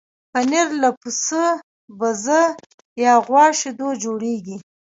پنېر له پسه، بزه یا غوا شیدو جوړېږي.